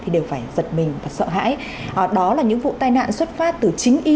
đều xuất phát từ ý thức từ sự chủ quan